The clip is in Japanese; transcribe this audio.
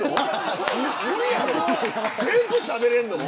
全部、しゃべれんの。